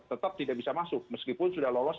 tetap tidak bisa masuk meskipun sudah lolos